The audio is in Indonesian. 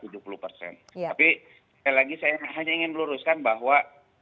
tapi sekali lagi saya hanya ingin luruskan bahwa